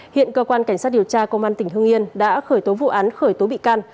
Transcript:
hiện cơ quan cảnh sát điều tra công an tỉnh hương yên đã khởi tố vụ án khởi tố bị can